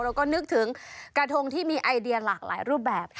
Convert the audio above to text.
เราก็นึกถึงกระทงที่มีไอเดียหลากหลายรูปแบบ